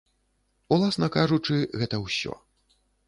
Уласна кажучы, гэта ўсё.